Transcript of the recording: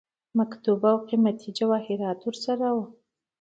مکتوب او قيمتي جواهراتو ورسره وه.